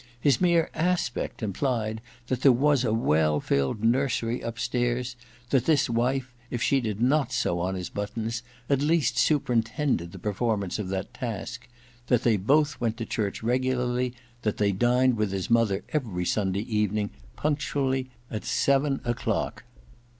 His mere aspect implied that there was a well filled nursery upstairs ; that his wife, if she did not sew on his buttons, at least superintended the performance of that task ; that they both went to church regularly, and that they dined with his mother every Sunday evening punctually at seven o'clock.